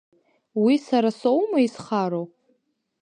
Уи сара соума изхароу?